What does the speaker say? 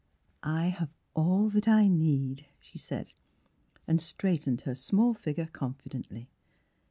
"I have all that I need," she said, and straightened her small figure confidently.